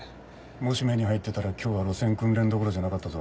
もし目に入ってたら今日は路線訓練どころじゃなかったぞ。